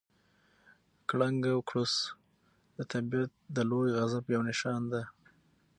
کړنګ او کړوس د طبیعت د لوی غضب یو نښان دی.